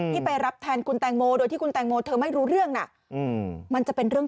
ที่ไปรับแทนคุณแตงโมโดยที่คุณแตงโมเธอไม่รู้เรื่องน่ะ